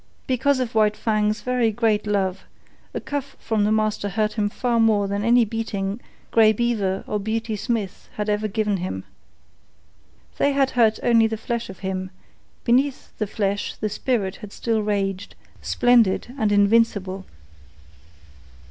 Because of White Fang's very great love, a cuff from the master hurt him far more than any beating Grey Beaver or Beauty Smith had ever given him. They had hurt only the flesh of him; beneath the flesh the spirit had still raged, splendid and invincible.